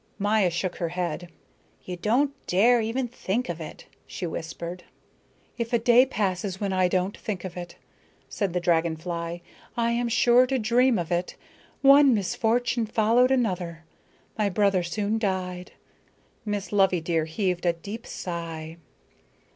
Maya shook her head. "You don't dare even think of it," she whispered. "If a day passes when I don't think of it," said the dragon fly, "I am sure to dream of it. One misfortune followed another. My brother soon died." Miss Loveydear heaved a deep sigh.